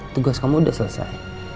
tugas kamu udah selesai